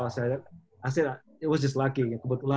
saya bilang itu hanya keberuntungan kebetulan